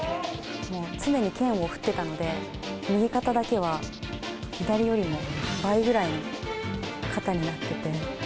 もう常に剣を振ってたので、右肩だけは左よりも倍ぐらいの肩になってて。